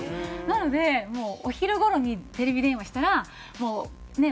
なのでお昼頃にテレビ電話したらもうねえ。